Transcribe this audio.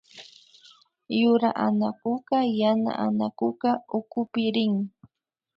Yura anakuka yana anaku ukupi rin